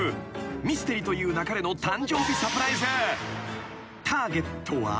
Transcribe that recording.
『ミステリと言う勿れ』の誕生日サプライズ］